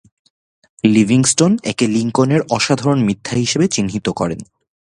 Livingstone একে লিঙ্কনের অসাধারণ মিথ্যা হিসেবে চিহ্নিত করেন।